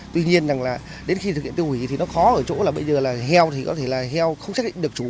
tuy nhiên rằng là đến khi thực hiện tiêu hủy thì nó khó ở chỗ là bây giờ là heo thì có thể là heo không xác định được chú